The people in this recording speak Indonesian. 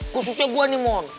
khususnya gue nih mon